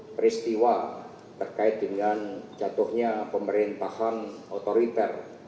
peristiwa terkait dengan jatuhnya pemerintahan otoriter